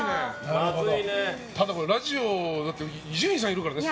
ラジオだって伊集院さんいるからね。